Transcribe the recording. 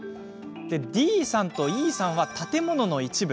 ＤさんとＥさんは建物の一部。